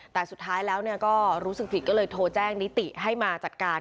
แต่สุดท้ายแล้วก็รู้สึกผิดก็เลยโทรแจ้งนิติให้มาจัดการ